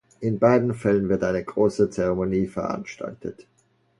In beiden Fällen wird eine große Zeremonie veranstaltet.